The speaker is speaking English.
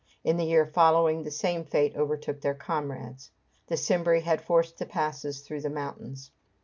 In the year following, the same fate overtook their comrades. The Cimbri had forced the passes through the mountains.